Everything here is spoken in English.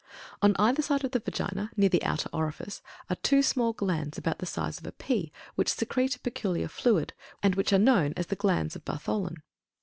On either side of the Vagina, near the outer orifice, are two small glands, about the size of a pea, which secrete a peculiar fluid, and which are known as the Glands of Bartholine.